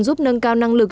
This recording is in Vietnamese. giúp nâng cao năng lực